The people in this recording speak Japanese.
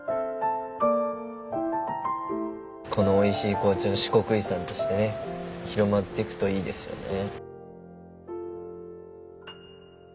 このおいしい紅茶が四国遺産としてね広まってくといいですよね。